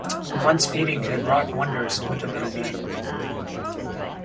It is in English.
A month's feeding had wrought wonders with the little being.